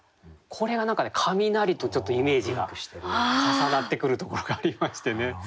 これは何か雷とちょっとイメージが重なってくるところがありましてね。